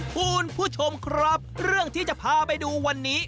คุณผู้ชมครับเรื่องที่จะพาไปดูวันนี้